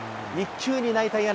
１球に泣いた柳。